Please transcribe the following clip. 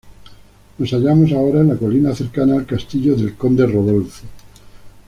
Nos hallamos ahora en la colina cercana al castillo del conde Rodolfo.